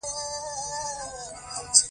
زراعت د هېواد د اقتصاد ملا تېر بلل کېږي.